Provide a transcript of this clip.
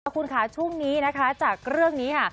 คุณค่ะช่วงนี้นะคะจากเรื่องนี้ค่ะ